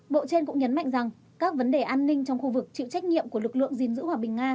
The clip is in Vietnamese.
bộ trên cũng nhấn mạnh rằng các vấn đề an ninh trong khu vực chịu trách nhiệm của lực lượng gìn giữ hòa bình nga